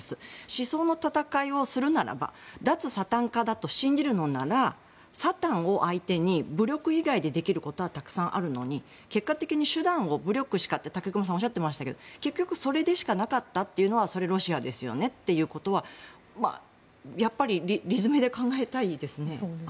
思想の戦いをするならば脱サタン化だと信じるのならサタンを相手に武力以外でできることはたくさんあるのに結果的に手段を武力しかって武隈さんおっしゃっていましたが結局それでしかなかったというのはロシアですよねということは理詰めで考えたいですね。